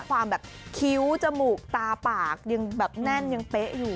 ความแบบคิ้วจมูกตาปากยังแบบแน่นยังเป๊ะอยู่